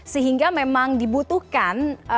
sehingga memang dibutuhkan